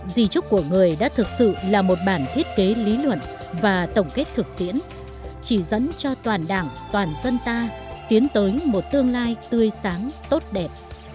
di trúc của người đã thực sự là một bản thiết kế lý luận và tổng kết thực tiễn chỉ dẫn cho toàn đảng toàn dân ta tiến tới một tương lai tươi sáng tốt đẹp